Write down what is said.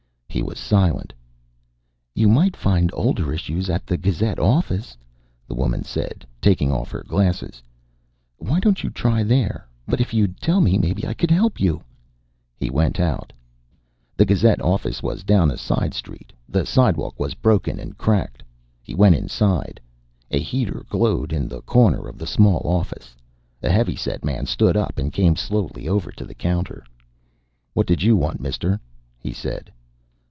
He was silent. "You might find older issues at the Gazette office," the woman said, taking off her glasses. "Why don't you try there? But if you'd tell me, maybe I could help you " He went out. The Gazette office was down a side street; the sidewalk was broken and cracked. He went inside. A heater glowed in the corner of the small office. A heavy set man stood up and came slowly over to the counter. "What did you want, mister?" he said.